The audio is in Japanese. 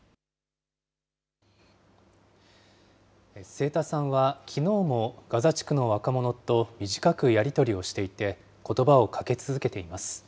清田さんはきのうもガザ地区の若者と短くやり取りをしていて、ことばをかけ続けています。